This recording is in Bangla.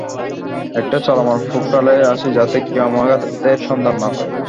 একটা চলমান পোর্টালে আছি যাতে কেউ আমাদের সন্ধান না পায়।